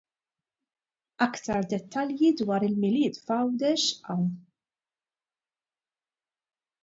Aktar dettalji dwar il-Milied f'Għawdex hawn.